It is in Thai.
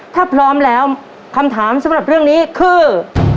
ถ้าพร้อมแล้วคำถามสำหรับเรื่องนี้คือ